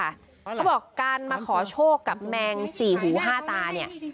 เขาบอกการมาขอโชคกับแมงสี่หูห้าตาเนี่ย